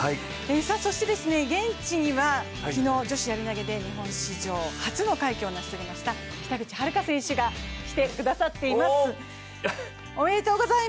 現地には昨日女子やり投で日本史上初の快挙をなし遂げました北口榛花選手が来てくださっています。